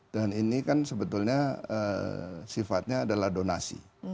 dan ini kan sebetulnya sifatnya adalah donasi